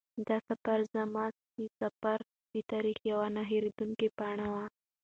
دا سفر زما د مسافرۍ د تاریخ یوه نه هېرېدونکې پاڼه وه.